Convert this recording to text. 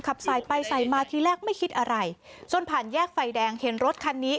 ขับสายไปสายมาทีแรกไม่คิดอะไรจนผ่านแยกไฟแดงเห็นรถคันนี้